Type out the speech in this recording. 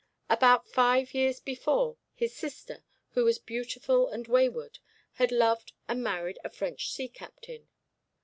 About five years before, his sister, who was beautiful and wayward, had loved and married a French sea captain.